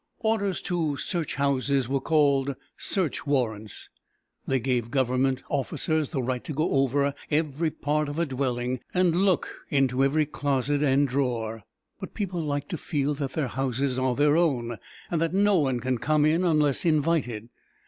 Orders to search houses were called search warrants. They gave government officers the right to go over every part of a dwelling, and look into every closet and drawer. But people like to feel that their houses are their own, and that no one can come in unless invited.